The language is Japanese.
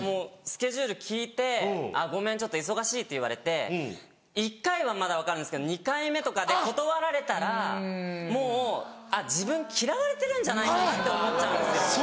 スケジュール聞いて「ごめんちょっと忙しい」って言われて１回はまだ分かるんですけど２回目とかで断られたらもう自分嫌われてるんじゃないかって思っちゃうんですよ。